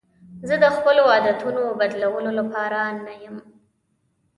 زه د خپلو عادتونو بدلولو لپاره نه یم.